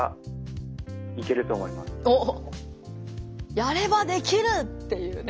「やればできる！」っていうね。